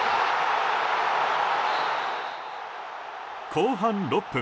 後半６分。